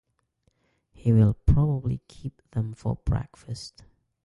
He will probably keep them for breakfast.